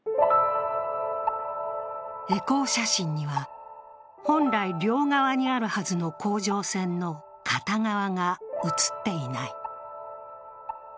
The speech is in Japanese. エコー写真には、本来両側にあるはずの甲状腺の片側が写っていない。